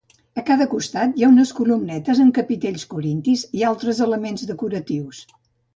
A cada costat hi ha unes columnetes amb capitells corintis i altres elements decoratius.